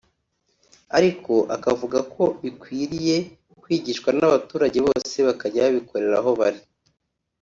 ariko akavuga ko bikwiriye kwigishwa n’abaturage bose bakajya babikorera aho bari